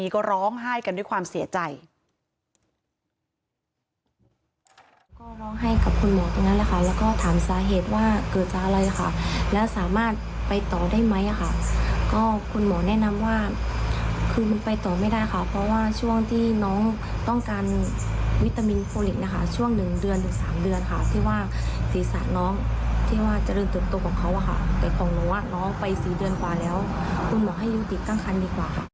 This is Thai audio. กวางเองสามีก็ร้องไห้กันด้วยความเสียใจ